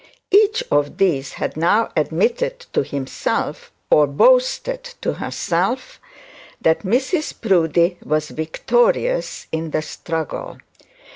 Each of them had now admitted to himself (or boasted to herself) that Mrs Proudie was victorious in the struggle.